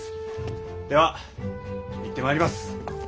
では行ってまいります！